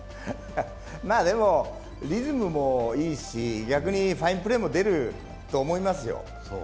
でもリズムもいいし、逆にファインプレーも出ると思いますよ。